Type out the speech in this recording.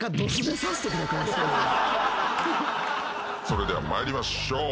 それでは参りましょう。